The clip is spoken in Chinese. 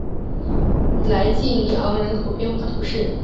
莱济尼昂人口变化图示